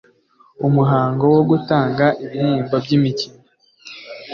umuhango wogutanga ibihembo byimikino